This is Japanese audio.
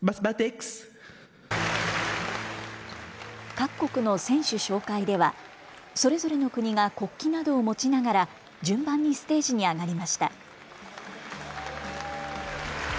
各国の選手紹介ではそれぞれの国が国旗などを持ちながら順番にステージに上がりました。